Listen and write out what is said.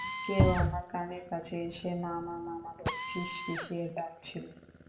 কেউ আমার কানের কাছে এসে মামা মামা বলে ফিসফিসিয়ে ডাকছিল।